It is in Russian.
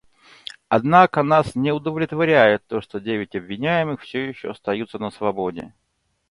Однако нас не удовлетворяет то, что девять обвиняемых все еще остаются на свободе.